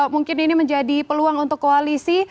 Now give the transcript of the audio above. mungkin ini menjadi peluang untuk koalisi